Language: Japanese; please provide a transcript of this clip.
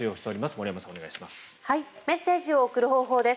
森山さん、お願いします。